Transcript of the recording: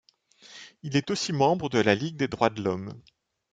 Il est aussi membre de la Ligue des droits de l'homme.